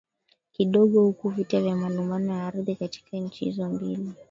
Kidogo huku vita vya malumbano ya Ardhi kati nchi hizo mbili